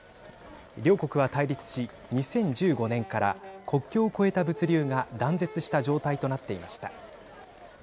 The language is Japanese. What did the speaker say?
両国は対立し２０１５年から国境を越えた物流が断絶した状態となっていました。